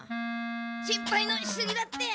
心配のしすぎだって！